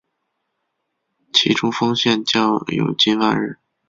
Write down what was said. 其中丰县教友近万人。